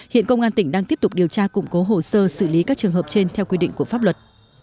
hiện công an tỉnh đang tiếp tục điều tra củng cố hồ sơ xử lý các trường hợp trên theo quy định của pháp luật